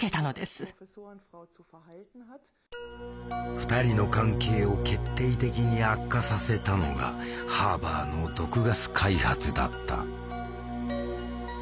２人の関係を決定的に悪化させたのがハーバーの毒ガス開発だった。